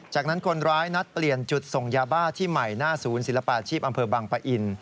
จากนั้นคนร้ายนัดเปลี่ยนจุดส่งยาบ้าที่ใหม่หน้าศูนย์ศิลปาชีพอำเภอบังปะอิน